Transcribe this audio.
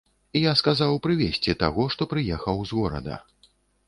Я сказаў прывесці таго, што прыехаў з горада.